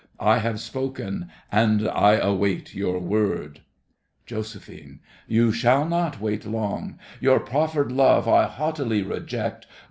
I have spoken and I wait your word. JOS. You shall not wait long. Your proffered love I haughtily reject.